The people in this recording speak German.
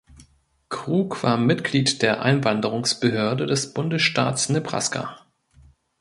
Krug war Mitglied der Einwanderungsbehörde des Bundesstaats Nebraska.